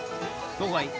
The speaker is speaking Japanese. どこがいい？